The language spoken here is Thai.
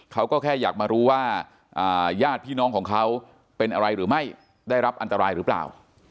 เขาก็แค่อยากมารู้ว่าญาติพี่น้องของเขาเป็นอะไรหรือไม่ได้รับอันตรายหรือเปล่า